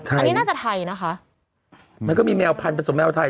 อันนี้น่าจะไทยนะคะมันก็มีแมวพันธสมแมวไทย